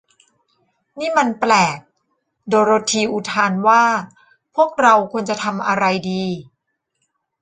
นี้มันแปลก โดโรธีอุทานว่า พวกเราควรจะทำอะไรดี